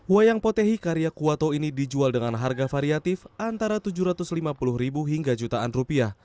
wayang potehi karya kuwato ini dijual dengan harga variatif antara tujuh ratus lima puluh ribu hingga jutaan rupiah